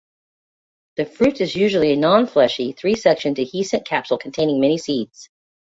The fruit is usually a nonfleshy, three-sectioned dehiscent capsule containing many seeds.